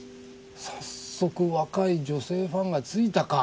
早速若い女性ファンがついたか。